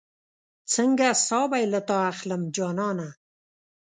څنګه ساه به بې له تا اخلم جانانه